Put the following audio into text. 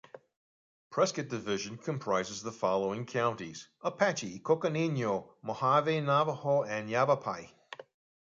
Prescott Division comprises the following counties: Apache, Coconino, Mohave, Navajo, and Yavapai.